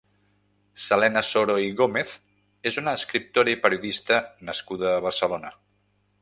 Selena Soro i Gómez és una escriptora i periodista nascuda a Barcelona.